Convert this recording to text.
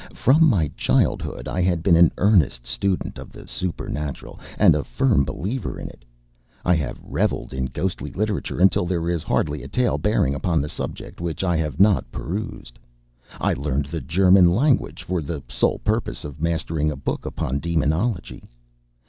From my childhood I had been an earnest student of the supernatural, and a firm believer in it. I have revelled in ghostly literature until there is hardly a tale bearing upon the subject which I have not perused. I learned the German language for the sole purpose of mastering a book upon demonology.